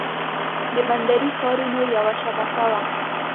د بندري ښارونو یوه شبکه وه.